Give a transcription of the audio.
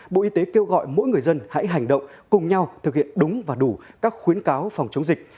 bộ y tế kêu gọi mỗi người dân hãy hành động cùng nhau thực hiện đúng và đủ các khuyến cáo phòng chống dịch